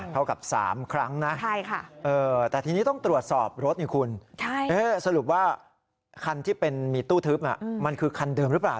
เท่ากับ๓ครั้งนะแต่ทีนี้ต้องตรวจสอบรถนี่คุณสรุปว่าคันที่เป็นมีตู้ทึบมันคือคันเดิมหรือเปล่า